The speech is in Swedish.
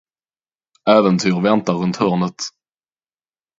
Äventyr väntar runt hörnet!